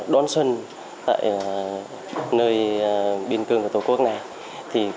đón xuân tại nơi biên cương của tổ quốc này